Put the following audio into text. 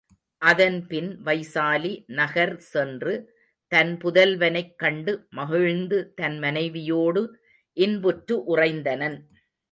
அதன்பின் வைசாலி நகர் சென்று தன் புதல்வனைக் கண்டு மகிழ்ந்து, தன் மனைவியோடு இன்புற்று உறைந்தனன்.